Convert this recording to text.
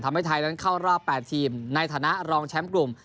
ทำให้ไทยนั้นเข้ารอบ๘ทีมในฐานะรองแชมป์กลุ่ม